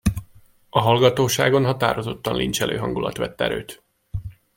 A hallgatóságon határozottan lincselő hangulat vett erőt.